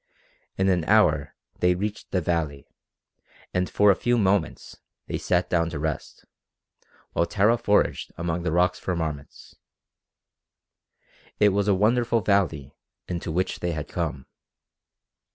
In an hour they reached the valley, and for a few moments they sat down to rest, while Tara foraged among the rocks for marmots. It was a wonderful valley into which they had come.